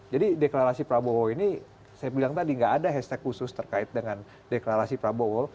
jadi deklarasi prabowo ini saya bilang tadi nggak ada hashtag khusus terkait dengan deklarasi prabowo